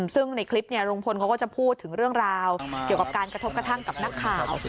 ซึ่งในคลิปลุงพลเขาก็จะพูดถึงเรื่องราวเกี่ยวกับการกระทบกระทั่งกับนักข่าว